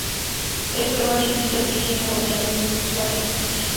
Esto no le impidió seguir modelando, usando prótesis.